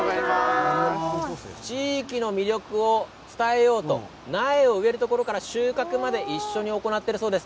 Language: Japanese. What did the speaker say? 地域の魅力を伝えようと苗を植えるところから収穫まで一緒に行っているそうです。